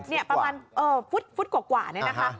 เออประมาณฟุตกว่านี่นะคะ